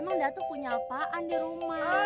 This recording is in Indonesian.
emang datu punya apaan di rumah